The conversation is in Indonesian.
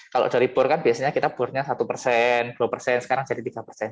kalau dari bor kan biasanya kita bornya satu persen dua persen sekarang jadi tiga persen